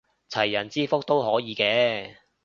齊人之福都可以嘅